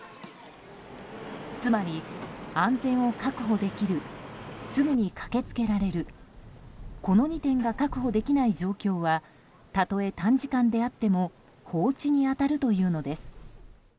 つまり安全を確保できるすぐに駆け付けられるこの２点が確保できない状況はたとえ短時間であっても放置に当たるというのです。